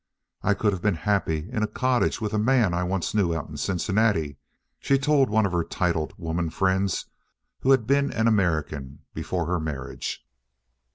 "I could have been happy in a cottage with a man I once knew out in Cincinnati," she told one of her titled women friends who had been an American before her marriage.